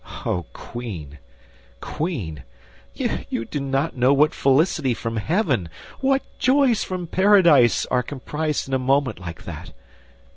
Oh, Queen! Queen! You do not know what felicity from heaven, what joys from paradise, are comprised in a moment like that.